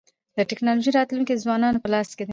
د ټکنالوژی راتلونکی د ځوانانو په لاس کي دی.